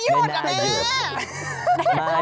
มันไม่หยุดอะแม่